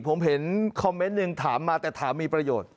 ผมเห็นคอมเมนต์หนึ่งถามมาแต่ถามมีประโยชน์